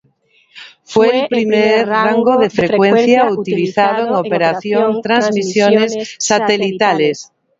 Fue el primer rango de frecuencia utilizado en operación transmisiones satelitales.